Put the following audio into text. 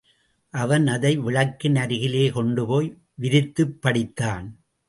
அவன் அதை விளக்கின் அருகிலே கொண்டு போய் விரித்துப் படித்தான்.